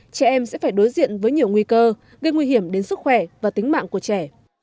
trẻ em sẽ phải đối diện với nhiều nguy cơ gây nguy hiểm đến sức khỏe và tính mạng của trẻ